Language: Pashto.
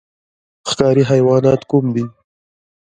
ښکاري حیوانات کوم دي؟